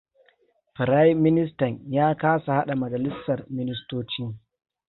Firayim ministan ya kasa hada majalisar ministoci.